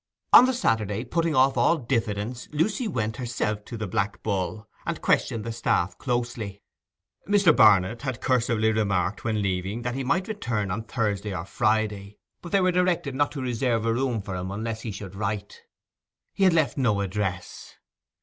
On the Saturday, putting off all diffidence, Lucy went herself to the Black Bull, and questioned the staff closely. Mr. Barnet had cursorily remarked when leaving that he might return on the Thursday or Friday, but they were directed not to reserve a room for him unless he should write. He had left no address.